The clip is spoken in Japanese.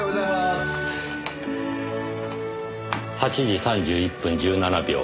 ８時３１分１７秒。